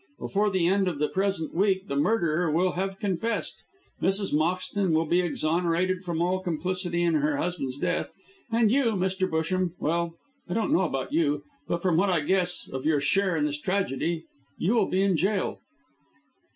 Before the end of the present week the murderer will have confessed, Mrs. Moxton will be exonerated from all complicity in her husband's death, and you, Mr. Busham well, I don't know about you. But from what I guess of your share in this tragedy, you will be in gaol."